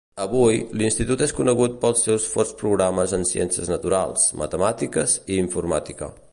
Avui, l'institut és conegut pels seus forts programes en ciències naturals, matemàtiques i informàtica.